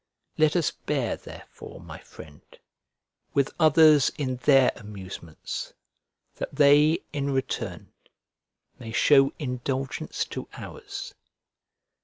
Let us bear therefore, my friend, with others in their amusements, that they, in return, may show indulgence to ours.